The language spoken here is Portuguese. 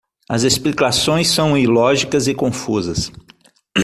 As explicações são ilógicas e confusas.